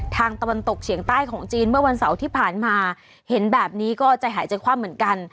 ตะวันตกเฉียงใต้ของจีนเมื่อวันเสาร์ที่ผ่านมาเห็นแบบนี้ก็ใจหายใจคว่ำเหมือนกัน